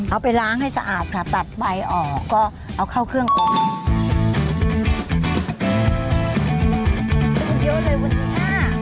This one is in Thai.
เอาไปล้างให้สะอาดค่ะตัดใบออกก็เอาเข้าเครื่องออก